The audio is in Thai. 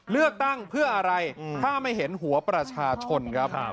เลือกตั้งเพื่ออะไรถ้าไม่เห็นหัวประชาชนครับ